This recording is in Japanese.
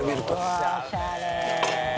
「おしゃれ！」